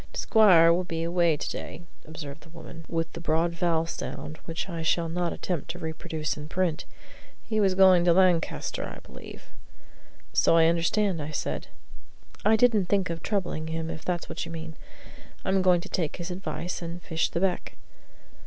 "T'squire was to be away to day," observed the woman, with the broad vowel sound which I shall not attempt to reproduce in print. "He was going to Lancaster, I believe." "So I understood," said I. "I didn't think of troubling him, if that's what you mean. I'm going to take his advice and fish the beck."